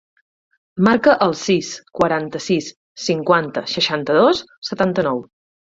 Marca el sis, quaranta-sis, cinquanta, seixanta-dos, setanta-nou.